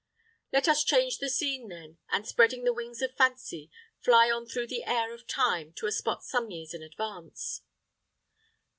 Let us change the scene then, and, spreading the wings of Fancy, fly on through the air of Time to a spot some years in advance.